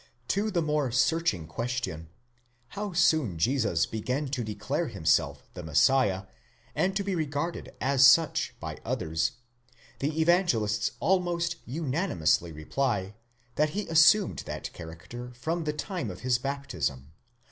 To the more searching question, how soon Jesus began to declare himself the Messiah and to be regarded as such by others, the Evangelists almost unanimously reply, that he assumed that character from the time of his baptism.